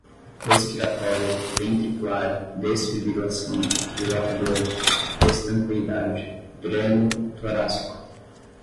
expiratório, ventricular, desfibrilação, dilatador, estanqueidade, dreno torácico